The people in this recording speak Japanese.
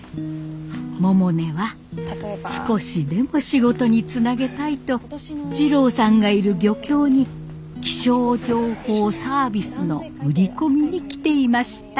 百音は少しでも仕事につなげたいと滋郎さんがいる漁協に気象情報サービスの売り込みに来ていました。